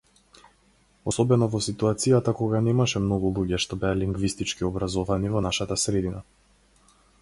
Особено во ситуацијата кога немаше многу луѓе што беа лингвистички образовани во нашата средина.